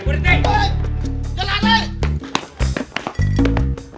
woy jangan lari